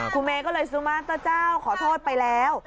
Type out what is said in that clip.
คุณเมย์ก็เลยซุมารเจ้าขอโทษไปแล้ว